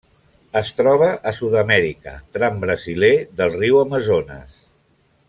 Es troba a Sud-amèrica: tram brasiler del Riu Amazones.